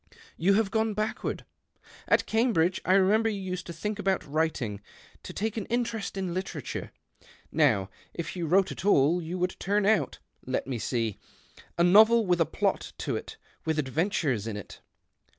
You lave gone backward. At Cambridge, I re nember, you used to think about writing — ;o take an interest in literature. Now, if you >vrote at all, you would turn out — let me see ^ a novel with a plot to it, with adventures in\it."